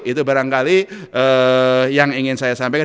itu barangkali yang ingin saya sampaikan